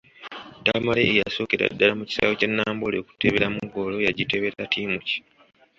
Tamale eyasookera ddala mu kisaawe kye Namboole okuteeberamu ggoolo yagiteebera ttiimu ki?